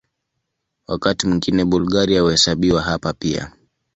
Wakati mwingine Bulgaria huhesabiwa hapa pia.